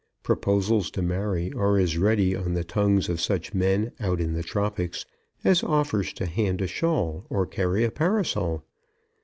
Proposals to marry are as ready on the tongues of such men, out in the tropics, as offers to hand a shawl or carry a parasol.